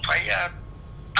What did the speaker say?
rồi xuất vô